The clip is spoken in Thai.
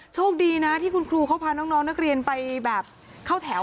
โชคดีนะที่คุณครูเขาพาน้องนักเรียนไปแบบเข้าแถว